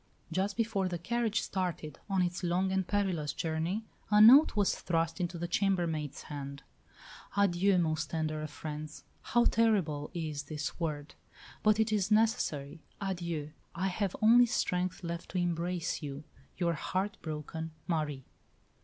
Just before the carriage started on its long and perilous journey, a note was thrust into the "chambermaid's" hand "Adieu, most tender of friends. How terrible is this word! But it is necessary. Adieu! I have only strength left to embrace you. Your heart broken Marie."